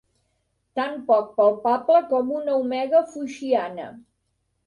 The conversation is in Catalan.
Tan poc palpable com una omega foixiana.